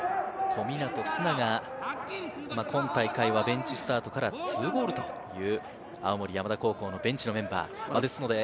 小湊絆が今大会はベンチスタートから２ゴールという青森山田高校のベンチのメンバー。